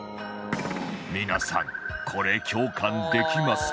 皆さんこれ共感できますか？